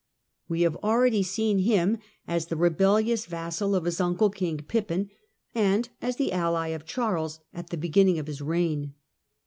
We have already seen him as the rebellious vassal of his uncle King Pippin and as the ally of Charles at the beginning of his reign.